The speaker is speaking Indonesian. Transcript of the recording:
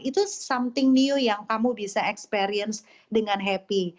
itu something new yang kamu bisa experience dengan happy